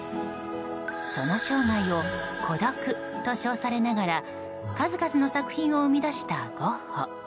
その生涯を孤独と称されながら数々の作品を生み出したゴッホ。